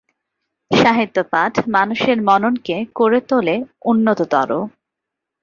সাহিত্যপাঠ মানুষের মননকে করে তোলে উন্নততর।